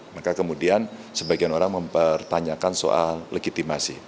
maka kemudian sebagian orang mempertanyakan soal legitimasi